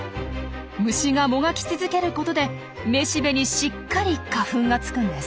虫がもがき続けることで雌しべにしっかり花粉がつくんです。